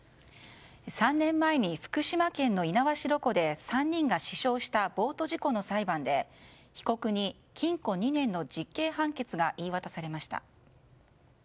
３年前に福島県の猪苗代湖で３人が死傷したボート事故の裁判で被告に禁錮２年の実刑判決が言い渡されました。